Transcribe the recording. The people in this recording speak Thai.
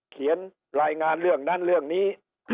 เขียนรายงานเรื่องนั้นเรื่องนี้